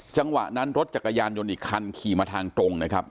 จังหวะนั้นรถจักรยานยนต์อีกคันขี่มาทางตรงนะครับ